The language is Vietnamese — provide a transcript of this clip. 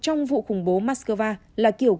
trong vụ khủng bố moscow là kiểu